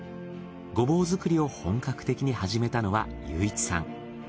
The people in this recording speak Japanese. ゴボウ作りを本格的に始めたのは雄一さん。